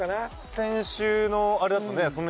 先週のあれだとね